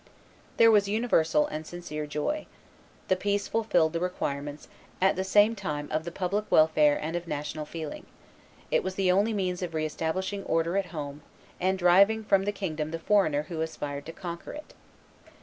There was universal and sincere joy. The peace fulfilled the requirements at the same time of the public welfare and of national feeling; it was the only means of re establishing order at home, and driving from the kingdom the foreigner who aspired to conquer it.